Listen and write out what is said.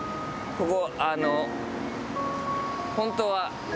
ここ。